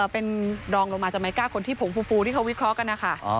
เป็นรองลงมาจากไม้ก้าคนที่ผงฟูที่เขาวิเคราะห์กันนะคะ